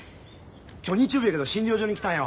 今日日曜日やけど診療所に来たんよ。